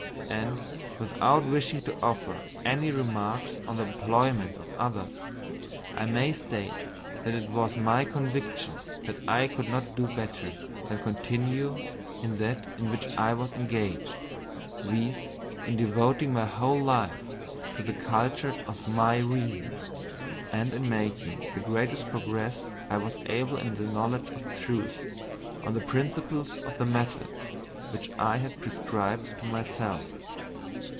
And, without wishing to offer any remarks on the employments of others, I may state that it was my conviction that I could not do better than continue in that in which I was engaged, viz., in devoting my whole life to the culture of my reason, and in making the greatest progress I was able in the knowledge of truth, on the principles of the method which I had prescribed to myself.